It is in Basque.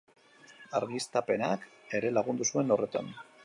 Argiztapenak ere lagundu zuen horretan.